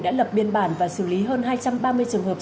đã lập biên bản và xử lý hơn hai trăm ba mươi trường hợp